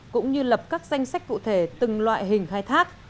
cũng như lập các danh sách cụ thể từng loại hình khai thác